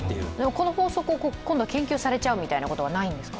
この法則を今度は研究されちゃうみたいなことはないんですか。